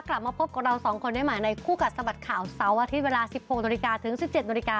กลับมาพบกับเราสองคนได้ไหมในคู่กัดสบัดข่าวเสาอาทิตย์เวลา๑๖๐๐นถึง๑๗๐๐น